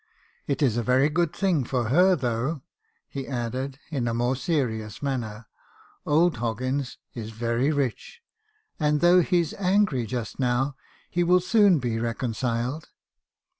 It is a very good thing for her, though,' he added, in a more serious manner; 'Old Hoggins is very rich; and though he's angry just now, he will soon be recon ciled.'